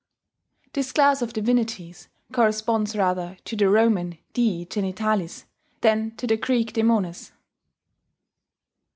This class of divinities corresponds rather to the Roman dii genitales than to the Greek (Greek daemones).